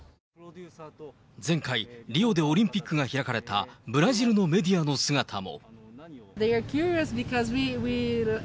前回、リオでオリンピックが開かれたブラジルのメディアの姿も。